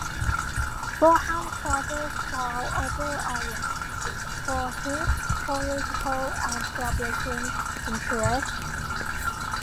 Bonham Carter found other outlets for his political and publishing interests.